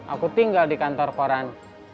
aku tinggal di kantor koran